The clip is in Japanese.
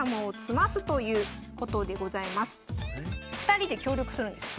２人で協力するんです。